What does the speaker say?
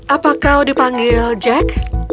apa kau dipanggil jack